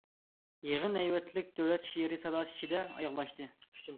يىغىن ھەيۋەتلىك دۆلەت شېئىرى ساداسى ئىچىدە ئاياغلاشتى.